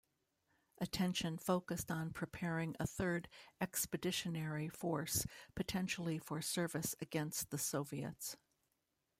Attention focused on preparing a third Expeditionary Force potentially for service against the Soviets.